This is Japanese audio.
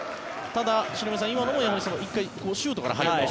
ただ、篠山さん、今のも１回、シュートから入ると。